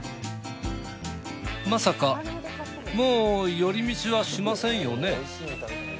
まさかもう寄り道はしませんよね？